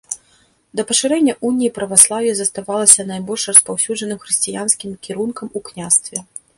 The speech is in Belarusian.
Да пашырэння уніі праваслаўе заставалася найбольш распаўсюджаным хрысціянскім кірункам у княстве.